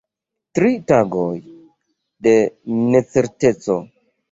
Tri tagoj de necerteco.